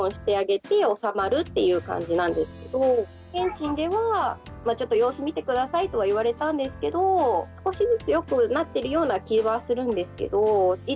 健診ではちょっと様子見て下さいとは言われたんですけど少しずつよくなってるような気はするんですけど。